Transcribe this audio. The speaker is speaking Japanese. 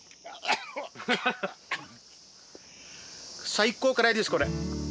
最高辛いですこれ。